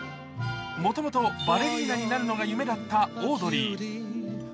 もともとバレリーナになるのが夢だったオードリー。